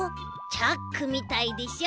チャックみたいでしょ？